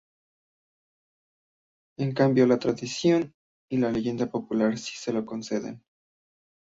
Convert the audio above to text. En cambió la tradición y la leyenda popular sí se lo conceden.